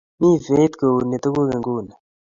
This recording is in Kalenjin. Mi Faith Kouni tuguk nguni.